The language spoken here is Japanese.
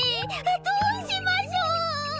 どうしましょう！